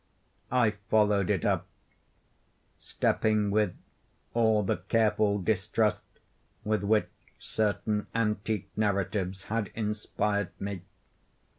I followed it up; stepping with all the careful distrust with which certain antique narratives had inspired me.